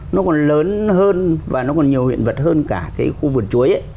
nó còn lớn hơn và nó còn nhiều huyện vật hơn cả cái khu vực chuối ấy